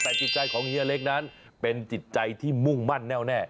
แต่จิตใจของเฮียเล็กนั้นเป็นจิตใจที่มุ่งมั่นแน่วแน่